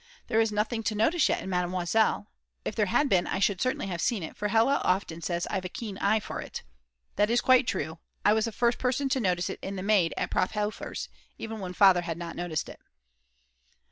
there is nothing to notice yet in Mademoiselle; if there had been I should certainly have seen it, for Hella often says I've a keen eye for it. That is quite true, I was the first person to notice it in the maid at Prof. Hofer's, when even Father had not noticed it.